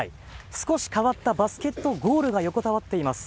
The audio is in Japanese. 少し変わったバスケットゴールが横たわっています。